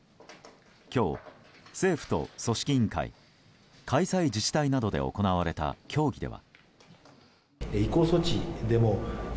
今日、政府と組織委員会開催自治体などで行われた協議では。